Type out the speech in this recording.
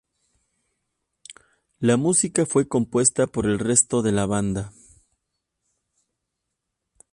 La música fue compuesta por el resto de la banda.